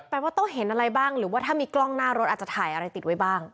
ว่าต้องเห็นอะไรบ้างหรือว่าถ้ามีกล้องหน้ารถอาจจะถ่ายอะไรติดไว้บ้าง